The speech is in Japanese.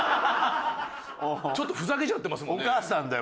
ちょっとふざけちゃってますもんね。